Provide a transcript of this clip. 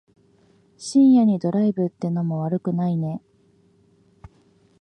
深夜にドライブってのも悪くないね。